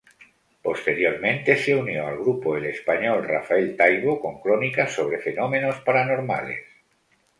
Posteriormente, se unió al grupo el español Rafael Taibo, con crónicas sobre fenómenos paranormales.